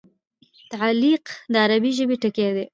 تعلیق د عربي ژبي ټکی دﺉ.